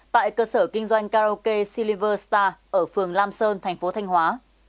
tại cơ sở kinh doanh karaoke silver star ở phường lam sơn thành phố thanh hóa